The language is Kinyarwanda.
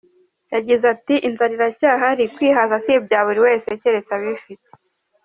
Yagize ati “inzara iracyahari; kwihaza si ibya buri wese keretse abifite.